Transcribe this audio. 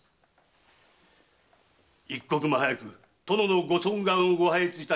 一刻も早く殿のご尊顔をご拝謁いたしたく